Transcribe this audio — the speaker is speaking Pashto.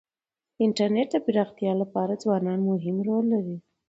د انټرنيټ د پراختیا لپاره ځوانان مهم رول لري.